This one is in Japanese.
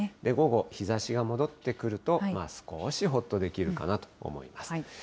午後、日ざしが戻ってくると、少しほっとできるかなと思います。